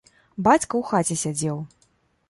Бацька ў хаце сядзеў.